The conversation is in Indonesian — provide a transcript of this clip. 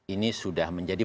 ini sudah menjadi